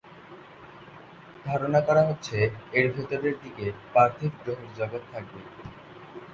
ধারণা করা হচ্ছে, এর ভেতরের দিকে পার্থিব গ্রহের জগৎ থাকবে।